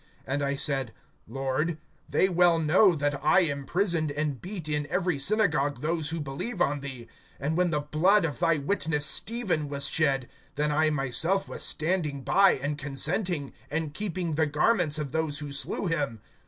(19)And I said: Lord, they well know that I imprisoned and beat in every synagogue those who believe on thee; (20)and when the blood of thy witness Stephen was shed, then I myself was standing by, and consenting, and keeping the garments of those who slew him.